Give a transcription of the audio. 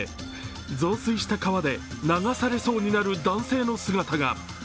増水した川で流されそうになる男性の姿が。